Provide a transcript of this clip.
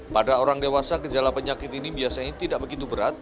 pada orang dewasa gejala penyakit ini biasanya tidak begitu berat